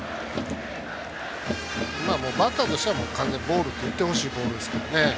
バッターとしては、完全にボールっていってほしいボールですね。